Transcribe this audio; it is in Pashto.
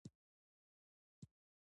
د کرکټ اداره نوي پلانونه لري.